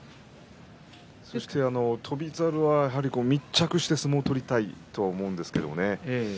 翔猿はやはり密着して、相撲を取りたいと思うんですけどね。